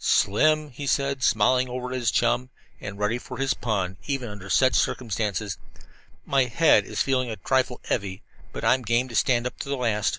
"Slim," he said, smiling over at his chum, and ready for his pun, even under such circumstances, "my head is feeling a 'trifle heavy,' but I'm game to stand up to the last."